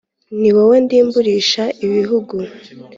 Ni wowe ndimburisha ibihugu